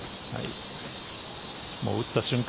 もう打った瞬間